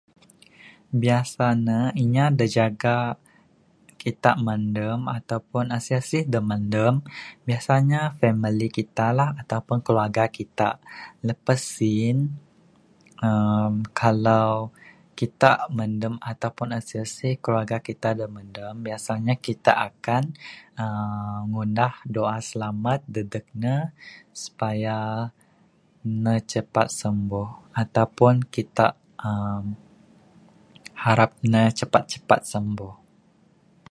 Biasa ne inya dak jaga kitak mandam atau pun asih-asih da mandam, biasa nya famili kitaklah atau pun keluarga kitak. Lepas sien, uhh kalau kitak mandam atau pun asih-asih keluarga kitak da mandam, biasanya kita akan uhh ngundah doa slamat dadeg ne supaya ne cepat sembuh. Atau pun kitak uhh harap ne cepat-cepat sembuh.